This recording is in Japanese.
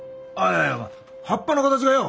いや葉っぱの形がよ